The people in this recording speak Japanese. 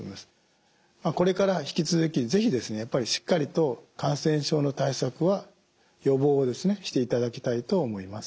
これから引き続き是非やっぱりしっかりと感染症の対策は予防をしていただきたいと思います。